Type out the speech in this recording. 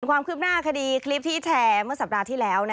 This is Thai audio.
ความคืบหน้าคดีคลิปที่แชร์เมื่อสัปดาห์ที่แล้ว